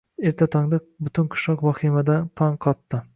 Erta tongda butun qishloq vahimadan tong qotdi.